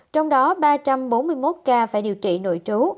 trong đó ba trăm bốn mươi một ca phải điều trị nội trú